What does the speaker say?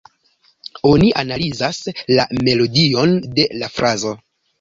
Oni analizas la melodion de la frazo.